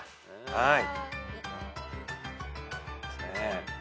はい。